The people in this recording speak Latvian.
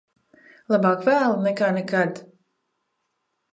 Labāk vēlu nekā nekad.